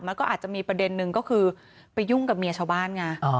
มันก็อาจจะมีประเด็นนึงก็คือไปยุ่งกับเมียชาวบ้านไง